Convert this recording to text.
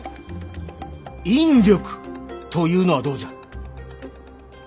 「引力」というのはどうじゃ。